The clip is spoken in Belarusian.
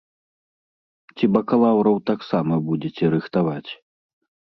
Ці бакалаўраў таксама будзеце рыхтаваць?